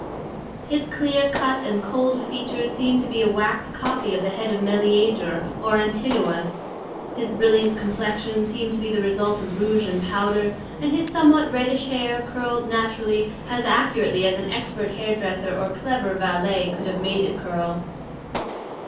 His clear cut and cold features seemed to be a wax copy of the head of Meleager or Antinoüs; his brilliant complexion seemed to be the result of rouge and powder, and his somewhat reddish hair curled naturally as accurately as an expert hairdresser or clever valet could have made it curl.